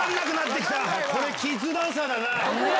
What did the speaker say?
これキッズダンサーだな！